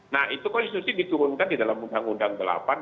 nah itu konstitusi diturunkan di dalam undang undang delapan dua ribu sembilan belas